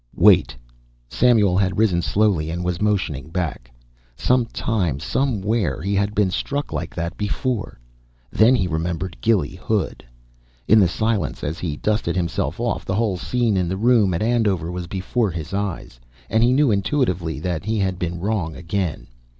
"Wait!" Samuel had risen slowly and was motioning back. Some time, somewhere, he had been struck like that before. Then he remembered Gilly Hood. In the silence, as he dusted himself off, the whole scene in the room at Andover was before his eyes and he knew intuitively that he had been wrong again.